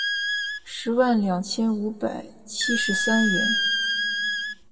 十万两千五百七十三元